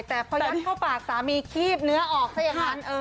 แต่พอยัดเข้าปากสามีคีบเนื้อออกซะอย่างนั้น